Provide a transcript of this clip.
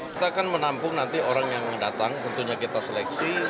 kita akan menampung nanti orang yang datang tentunya kita seleksi